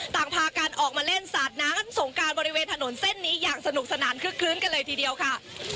ต่างพากันออกมาเล่นสาดน้ำสงการบริเวณถนนเส้นนี้อย่างสนุกสนานคึกคลื้นกันเลยทีเดียวค่ะ